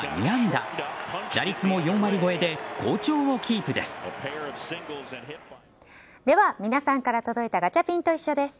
打率も４割超えで好調をキープです。